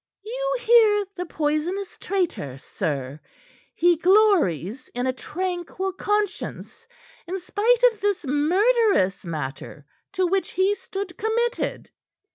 "You hear the poisonous traitor, sir. He glories in a tranquil conscience, in spite of this murderous matter to which he stood committed."